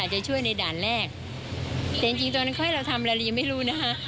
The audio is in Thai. อาจจะช่วยในด่านแรกแต่จริงจริงตอนนั้นเขาให้เราทำอะไรยังไม่รู้นะฮะ